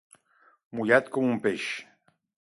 Mullat com un peix.